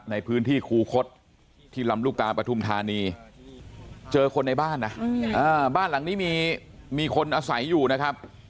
ในพื้นที่คูคศที่ลำลูกกาปฐุมธานีเจอคนในบ้านนะบ้านหลังนี้มีคนอาศัยอยู่นะครับ